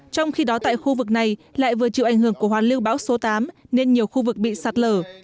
trong khi đó tại khu vực này lại vừa chịu ảnh hưởng của hoàn lưu bão số tám nên nhiều khu vực bị sạt lở